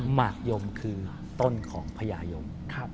หมากยมคือต้นของพญายม